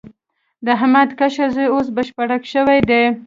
د احمد کشر زوی اوس بشپړک شوی دی.